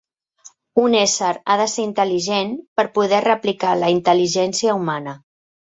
Un ésser ha de ser intel·ligent per poder replicar la intel·ligència humana.